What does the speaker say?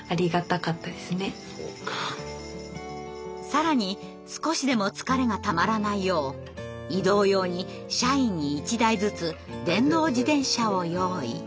更に少しでも疲れがたまらないよう移動用に社員に１台ずつ電動自転車を用意。